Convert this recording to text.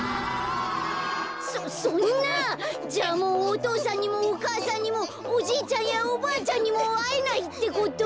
そそんなじゃあもうお父さんにもお母さんにもおじいちゃんやおばあちゃんにもあえないってこと？